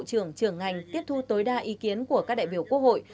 trưởng trưởng ngành tiếp thu tối đa ý kiến của các đại biểu quốc hội